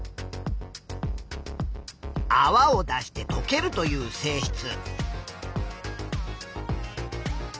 あわを出してとけるという性質。